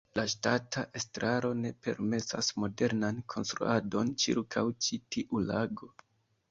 La ŝtata estraro ne permesas modernan konstruadon ĉirkaŭ ĉi tiu lago.